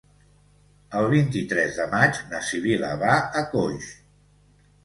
El vint-i-tres de maig na Sibil·la va a Coix.